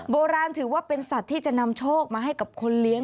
โบราณถือว่าเป็นสัตว์ที่จะนำโชคมาให้กับคนเลี้ยง